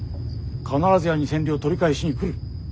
必ずや２千両取り返しに来る。